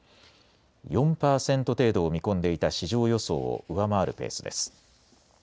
４％程度を見込んでいた市場予想を上回るペースです。